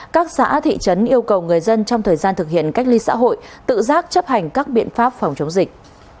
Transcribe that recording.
các xã thị trấn yêu cầu người dân trong thời gian thực hiện cách ly xã hội tự giác chấp hành các biện pháp phòng chống dịch